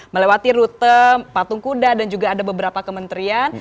melewati rute patung kuda dan juga ada beberapa kementerian